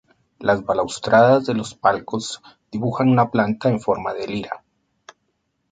Las balaustradas de los palcos dibujan una planta en forma de lira.